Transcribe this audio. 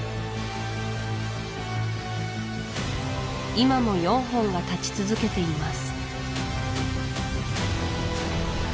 今も４本が立ち続けています